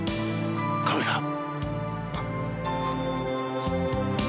カメさん。